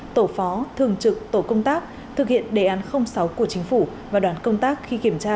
tổ phó thường trực tổ công tác thực hiện đề án sáu của chính phủ và đoàn công tác khi kiểm tra